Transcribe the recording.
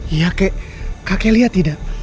iya kek kakek lihat tidak